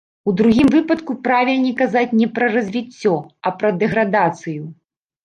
У другім выпадку правільней казаць не пра развіццё, а пра дэградацыю.